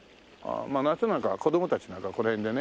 夏なんかは子供たちなんかこの辺でね